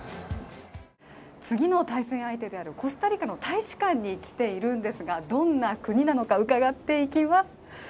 次の対戦相手であるコスタリカの大使館に来ているんですが、どんな国なのか、伺っていきます。